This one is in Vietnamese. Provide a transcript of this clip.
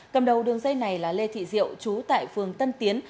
cầm đầu đường dây này là lê thị diệu trú tại phường tân tiến